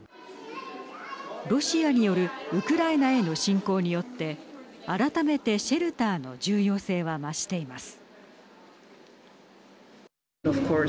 ロシアによるウクライナへの侵攻によって改めてシェルターの重要性は増しています。